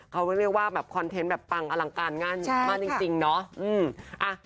เขาเรียกว่าแบบคอนเทนต์แบบปังอลังการงานมากจริงเนาะ